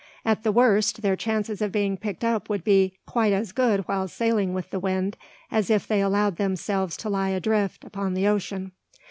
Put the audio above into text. At the worst, their chances of being picked up would be quite as good while sailing with the wind, as if they allowed themselves to lie adrift upon the ocean.